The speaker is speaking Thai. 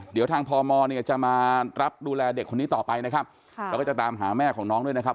เดี๋ยวทางพมเนี่ยจะมารับดูแลเด็กคนนี้ต่อไปนะครับค่ะแล้วก็จะตามหาแม่ของน้องด้วยนะครับ